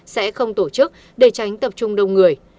sẽ không tổ chức để tránh tập trung đông người